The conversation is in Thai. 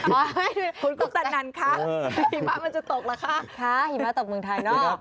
หิมะมันจะตกหรอคะหิมะตกเมืองไทยเนอะ